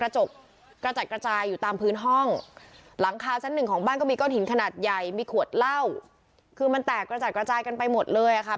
ชั้นหนึ่งของบ้านก็มีก้อนหินขนาดใหญ่มีขวดเหล้าคือมันแตกกระจัดกระจายกันไปหมดเลยนะคะ